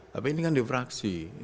tapi ini kan di fraksi